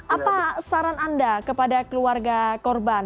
apa saran anda kepada keluarga korban